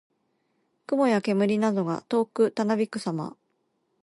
雲や煙などが遠くたなびくさま。